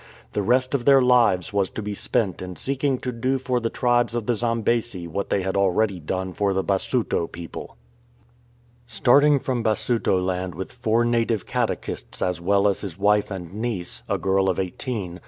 The rest of their lives was to be spent in seeking to do for the tribes of the Zambesi what they had already done for the Basuto people. 149 IN THE CLUTCHES OF LOBENGULA Starting from Basutoland with four native catechists as well as with his wife and niece, a girl of eighteen, M.